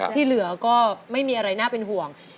ที่เหลือก็ไม่มีอะไรน่าเป็นห่วง